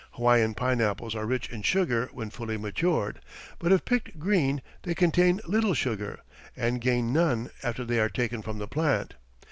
Hawaiian pineapples are rich in sugar when fully matured, but if picked green, they contain little sugar, and gain none after they are taken from the plant.